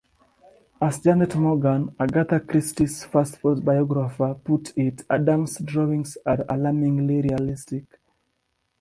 As Janet Morgan, Agatha Christie's first biographer, put it, Adams's drawings are alarmingly realistic.